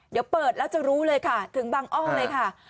เดี๋ยวเปิดแล้วจะรู้เลยค่ะถึงบางอ้อเลยค่ะ